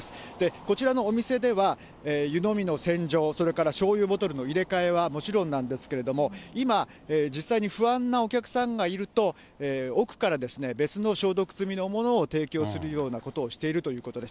こちらのお店では、湯飲みの洗浄、それからしょうゆボトルの入れ替えはもちろんなんですけれども、今、実際に不安なお客さんがいると、奥からですね、別の消毒済みのものを提供するようなことをしているということです。